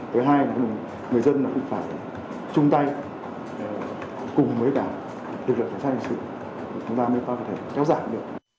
thứ hai là người dân cũng phải chung tay cùng với cả lực lượng cảnh sát hình sự chúng ta mới có thể kéo giảm được